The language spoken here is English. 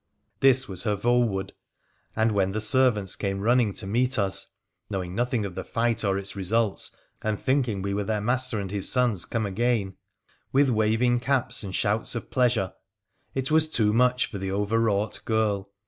Th was her Voewood ; and when the servants came running 1 meet us (knowing nothing of the fight or its results, ar thinking we were their master and his sons come again) wit waving caps and shouts of pleasure, it was too much for tl overwrought girl.